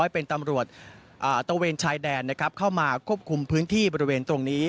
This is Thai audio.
เป็นตำรวจตะเวนชายแดนเข้ามาควบคุมพื้นที่บริเวณตรงนี้